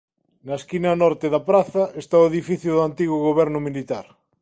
Na esquina norte da praza está o edificio do antigo goberno militar.